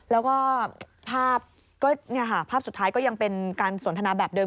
แล้วก็ภาพสุดท้ายก็ยังเป็นการสนทนาแบบเดิ